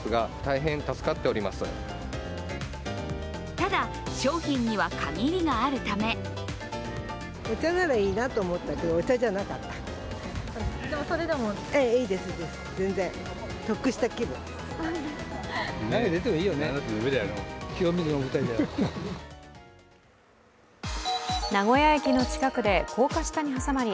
ただ、商品には限りがあるため名古屋駅の近くで高架下に挟まり